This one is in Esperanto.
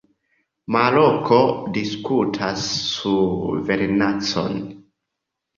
Maroko diskutas suverenecon.